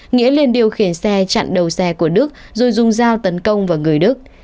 nghĩa lên điều khiển xe chặn đầu xe của đức rồi dùng dao tấn công vào người đức